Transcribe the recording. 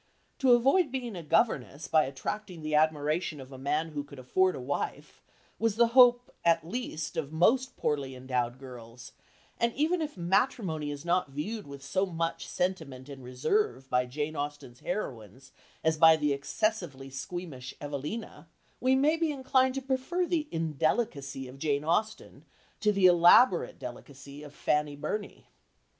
To avoid being a governess by attracting the admiration of a man who could afford a wife was the hope, at least, of most poorly endowed girls, and even if matrimony is not viewed with so much sentiment and reserve by Jane Austen's heroines as by the excessively squeamish Evelina, we may be inclined to prefer the "indelicacy" of Jane Austen to the elaborate, delicacy of Fanny Burney.